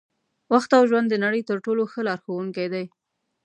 وخت او ژوند د نړۍ تر ټولو ښه لارښوونکي دي.